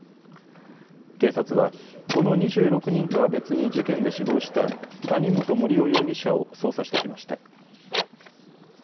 警察はこの２６人とは別に事件で死亡した谷本盛雄容疑者を捜査してきました。